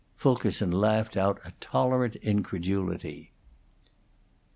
Fulkerson laughed out a tolerant incredulity.